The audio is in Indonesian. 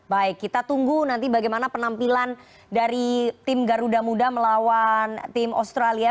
baik kita tunggu nanti bagaimana penampilan dari tim garuda muda melawan tim australia